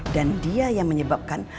dan dia yang menyebabkan